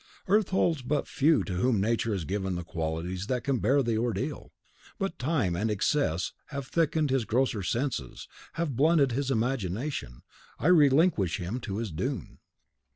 Earth holds but few to whom Nature has given the qualities that can bear the ordeal. But time and excess, that have quickened his grosser senses, have blunted his imagination. I relinquish him to his doom."